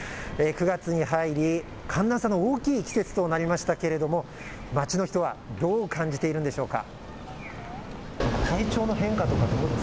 ９月に入り寒暖差の大きい季節となりましたけれども街の人はどう感じているんでしょうか。